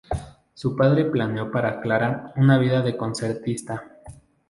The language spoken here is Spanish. Su padre planeó para Clara una vida de concertista.